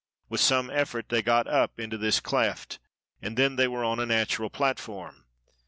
With some effort they got up into this cleft, and then they were on a natural platform.